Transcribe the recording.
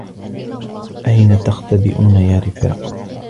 أين تختبؤون يا رفاق؟